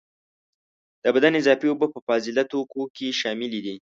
د بدن اضافي اوبه په فاضله توکو کې شاملي دي.